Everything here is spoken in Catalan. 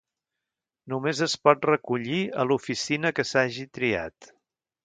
Només es pot recollir a l'oficina que s'hagi triat.